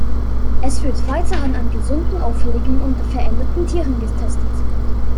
Es wird weiterhin an gesunden, auffälligen und veränderten Tieren getestet.